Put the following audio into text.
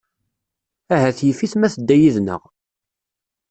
Ahat yif-it ma tedda yid-nneɣ.